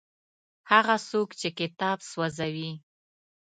هغه څوک چې کتاب سوځوي.